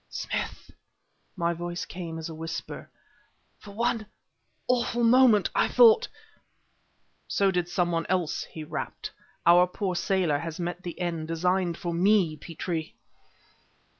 "Smith" my voice came as a whisper "for one awful moment I thought " "So did some one else," he rapped. "Our poor sailor has met the end designed for me, Petrie!"